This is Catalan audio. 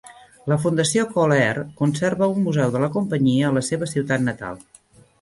La Fundació CallAir conserva un museu de la companyia a la seva ciutat natal.